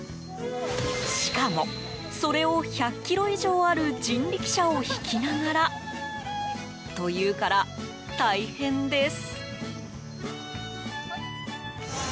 しかも、それを１００ｋｇ以上ある人力車を引きながらというから大変です。